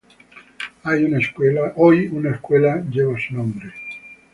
Hoy una escuela lleva su nombre.